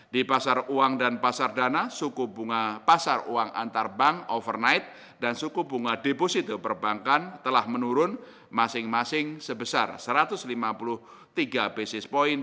di pasar uang dan pasar dana suku bunga pasar uang antar bank overnight dan suku bunga deposito perbankan telah menurun masing masing sebesar satu ratus lima puluh tiga basis point